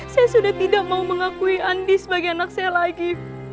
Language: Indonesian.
saya sudah tidak mau mengakui andi sebagai anak saya lagi